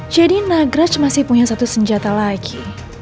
jadi nagraj masih punya satu senjata lagi